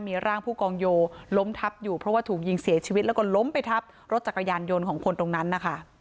มีร่างผู้กองโยล้มทับอยู่เพราะว่าถูกยิงเสียชีวิตแล้วก็ล้มไปทับรถจักรยานยนต์ของคนตรงนั้นนะคะ